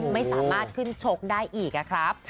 ไม่สามารถขึ้นชกได้อีกครับ